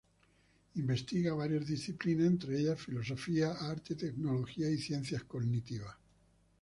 Investiga varias disciplinas, entre ellas filosofía, arte, tecnología y ciencias cognitivas.